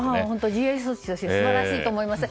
自衛措置として素晴らしいと思いました。